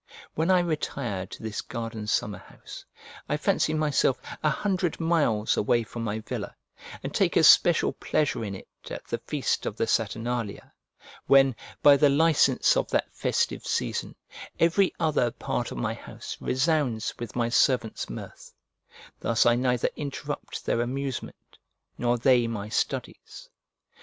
When I retire to this garden summer house, I fancy myself a hundred miles away from my villa, and take especial pleasure in it at the feast of the Saturnalia, when, by the licence of that festive season, every other part of my house resounds with my servants' mirth: thus I neither interrupt their amusement nor they my studies.